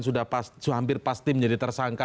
sudah hampir pasti menjadi tersangka